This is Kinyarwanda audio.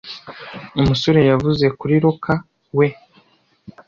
umusore yavuye kuri rocker we!